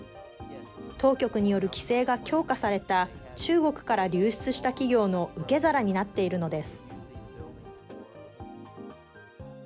当局による規制が強化された中国から流出した企業の受け皿になっているのです。